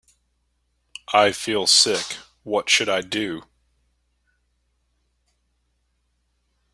I feel sick, what should I do?